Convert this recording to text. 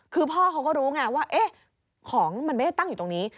คือพ่อเขาก็รู้ไงว่าของมันไม่ได้ตั้งอยู่ตรงนี้